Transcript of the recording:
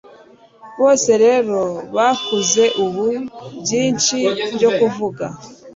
bose rero bakuze ubu, byinshi byo kuvuga